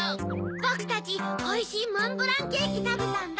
ぼくたちおいしいモンブランケキたべたんだ。